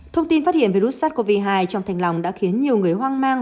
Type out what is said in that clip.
thông tin phát hiện virus sars cov hai trong thanh lòng đã khiến nhiều người hoang mang